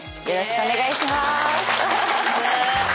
よろしくお願いします。